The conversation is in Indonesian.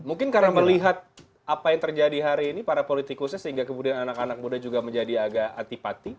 mungkin karena melihat apa yang terjadi hari ini para politikusnya sehingga kemudian anak anak muda juga menjadi agak atipati